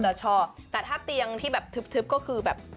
เราชอบแต่ถ้าเตียงที่แบบทึบก็คือแบบ